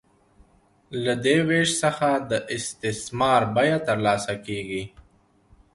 له دې وېش څخه د استثمار بیه ترلاسه کېږي